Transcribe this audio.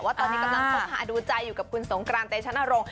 ว่าตอนนี้กำลังจะขาดูใจอยู่กับคุณสงคราร์นเต้ชั่นภรง